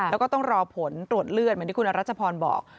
แล้วก็ต้องรอผลตรวจเลือดเหมือนที่คุณอรัชพรบอก